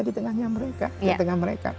di tengahnya mereka di tengah mereka